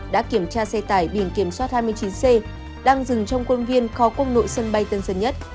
đã kiểm tra xe tải biển kiểm soát hai mươi chín c đang dừng trong quân viên kho quân đội sân bay tân sơn nhất